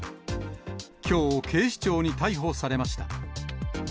きょう、警視庁に逮捕されました。